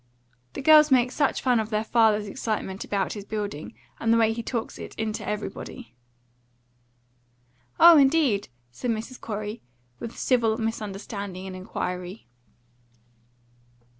"The girls make such fun of their father's excitement about his building, and the way he talks it into everybody." "Oh, indeed!" said Mrs. Corey, with civil misunderstanding and inquiry.